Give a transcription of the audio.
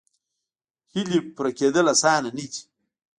هیلې پوره کېدل اسانه نه دي.